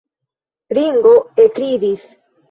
Ringo ekridis.